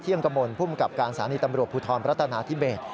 เที่ยงกระมวลภูมิกับการสถานีตำรวจภูทรปรัฐนาธิเมษย์